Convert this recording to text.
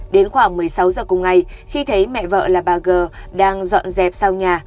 đến khoảng một mươi sáu giờ cùng ngày khi thấy mẹ vợ là bà g đang dọn dẹp sau nhà